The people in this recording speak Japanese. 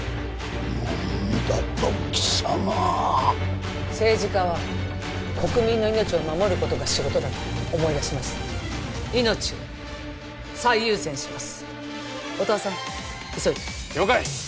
何だと貴様政治家は国民の命を守ることが仕事だと思い出しました命を最優先します音羽さん急いで了解！